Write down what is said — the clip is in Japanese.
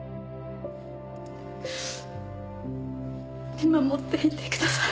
見守っていてください。